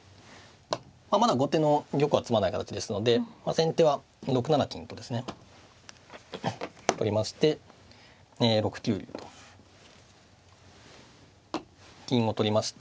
まだ後手の玉は詰まない形ですので先手は６七金とですね取りまして６九竜と金を取りまして